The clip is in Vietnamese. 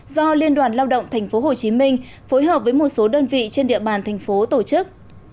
do liên đoàn lao động tp hcm phối hợp với một số đơn vị trên địa bàn thành phố tổ chức